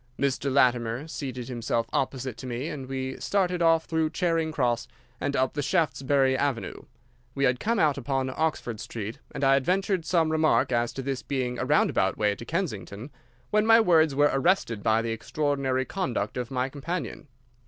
Mr. Latimer seated himself opposite to me and we started off through Charing Cross and up the Shaftesbury Avenue. We had come out upon Oxford Street and I had ventured some remark as to this being a roundabout way to Kensington, when my words were arrested by the extraordinary conduct of my companion.